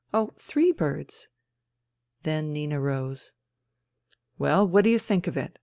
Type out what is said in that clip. oh, three birds !" Then Nina rose. " Well, what d'you think of it